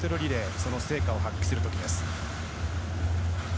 その成果を発揮する時です。